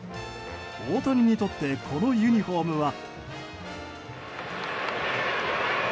大谷にとってこのユニホームは。